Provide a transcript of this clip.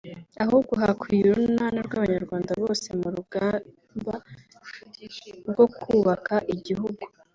ahubwo hakwiye urunana rw’Abanyarwanda bose mu rugamba rwo kubaka igihugu